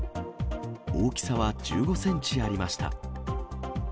大きさは１５センチありました。